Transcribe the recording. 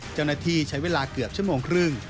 เจ้าหน้าที่ใช้เวลาเกือบชั่วโมงครึ่ง